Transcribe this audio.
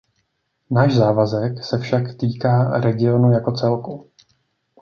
Náš závazek se však týká regionu jako celku.